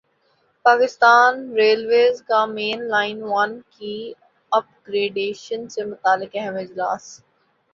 Pakistan railways کا main line one کی upgradation سے متعلق اہم اجلاس